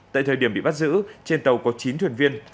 tại thời điểm bị bắt giữ trên tàu có chín thuyền viên